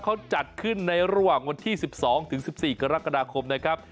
เขาจัดขึ้นในระหว่างวันที่๑๒๑๔กรกฎาคมนะครับ